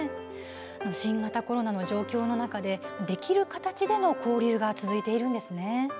新型コロナの状況の中でできる形での交流が続いているんですね。